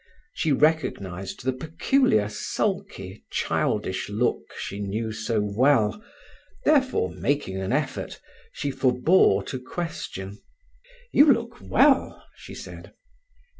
She recognized the peculiar sulky, childish look she knew so well, therefore, making an effort, she forbore to question. "You look well," she said.